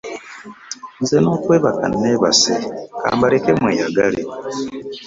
Nze n'okwebaka nneebase, ka mbaleke mweyagale